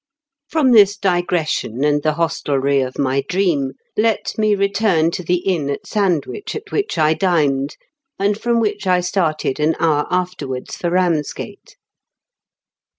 From this digression and the hostelry of 8ANDWI0E FLATS. 246 my dream let me return to the inn at Sandwich at which I dined, and from which I started an hour afterwards for Eamsgate.